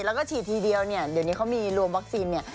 แล้วก็ฉีดทีเดียวเนี่ยเดี๋ยวนี้เขามีรวมวัคซีนเนี่ย